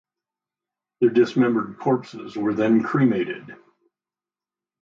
Their dismembered corpses were then cremated.